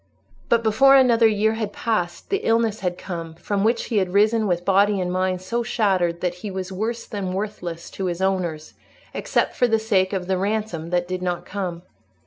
But before another year had passed, the illness had come from which he had risen with body and mind so shattered that he was worse than worthless to his owners, except for the sake of the ransom that did not come.